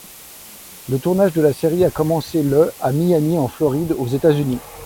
Le tournage de la série a commencé le à Miami en Floride aux États-Unis.